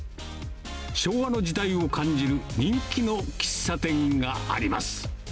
昭和の時代を感じる人気の喫茶店があります。